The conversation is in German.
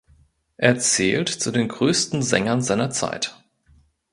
Er zählt zu den größten Sängern seiner Zeit.